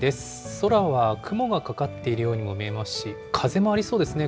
空は雲がかかっているようにも見えますし、風もありそうですね。